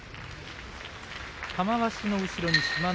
玉鷲の後ろ、志摩ノ